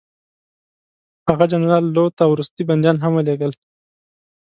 هغه جنرال لو ته وروستي بندیان هم ولېږل.